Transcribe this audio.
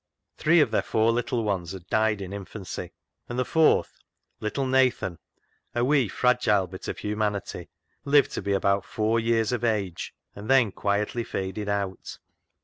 Three of their four little ones had died in infancy, and the fourth — little Nathan, a wee fragile bit of humanity — lived to be about four years " of age and then quietly faded out.